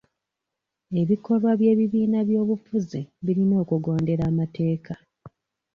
Ebikolwa by'ebibiina by'obufuzi birina okugondera amateeka.